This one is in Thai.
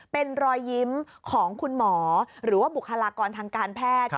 เป็นรอยยิ้มของคุณหมอหรือว่าบุคลากรทางการแพทย์